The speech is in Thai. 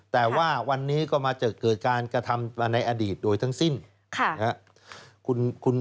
แต่ว่าวันนี้ก็มาจะเกิดการกระทำในอดีตโดยทั้งสิ้น